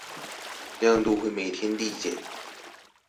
亮度會每天遞減